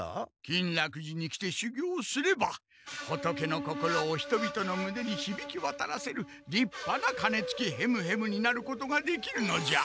金楽寺に来て修行すればほとけの心を人々のむねにひびきわたらせる立派な鐘つきヘムヘムになることができるのじゃ。